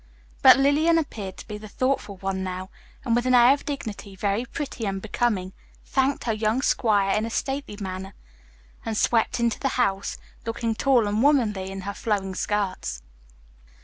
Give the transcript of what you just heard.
But Lillian appeared to be the thoughtful one now and with an air of dignity, very pretty and becoming, thanked her young squire in a stately manner and swept into the house, looking tall and womanly in her flowing skirts.